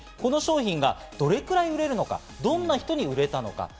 つまり本販売をする前にこの商品がどれくらい売れるのか、どんな人に売れたのか。